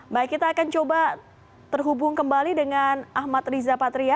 baik kita akan coba terhubung kembali dengan ahmad riza patria